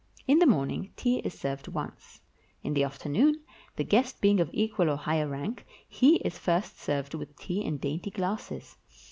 In the morning tea is served once. In the afternoon, the guest being of equal or higher rank, he is first served with tea in dainty glasses.